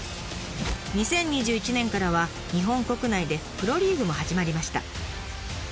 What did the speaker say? ２０２１年からは日本国内でプロリーグも始まりました。